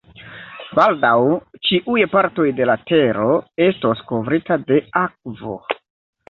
Baldaŭ, ĉiuj partoj de la tero estos kovrita de akvo.